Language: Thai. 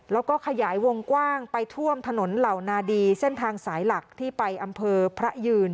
แล้วก็ขยายวงกว้างไปท่วมถนนเหล่านาดีเส้นทางสายหลักที่ไปอำเภอพระยืน